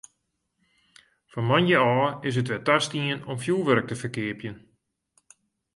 Fan moandei ôf is it wer tastien om fjoerwurk te ferkeapjen.